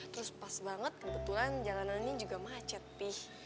terus pas banget kebetulan jalanannya juga macet pi